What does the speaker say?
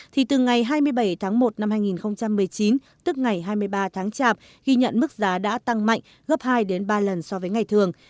thì từ ngày hai mươi bảy tháng một năm hai nghìn một mươi chín tức ngày hai mươi ba tháng chạp ghi nhận mức giá đã tăng mạnh gấp hai ba lần so với ngày thường